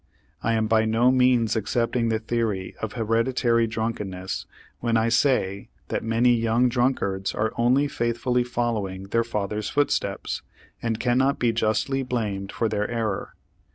I am by no means accepting the theory of hereditary drunkenness when I say that many young drunkards are only faithfully following their fathers' footsteps, and cannot be justly blamed for their error.